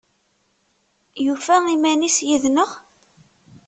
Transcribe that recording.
Yufa iman-is yid-neɣ?